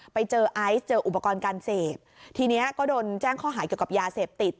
ไปเจอไอซ์เจออุปกรณ์การเสพทีนี้ก็โดนแจ้งข้อหาเกี่ยวกับยาเสพติด